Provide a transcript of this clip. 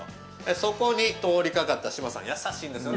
そこに通りかかった島さん、優しいんですよね。